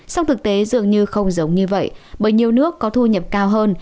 song thực tế dường như không giống như vậy bởi nhiều nước có thu nhập cao hơn